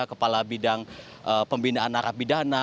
kepala bidang pembinaan arapidana